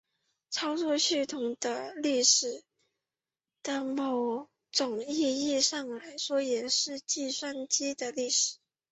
操作系统的历史在某种意义上来说也是计算机的历史。